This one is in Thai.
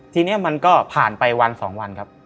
ทีนี้มันก็ผ่านไปวัน๒วันครับ